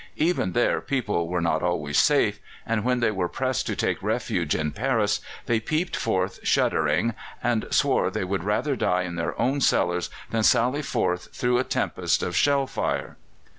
Even there people were not always safe, and when they were pressed to take refuge in Paris they peeped forth shuddering, and swore they would rather die in their own cellars than sally forth through a tempest of shell fire.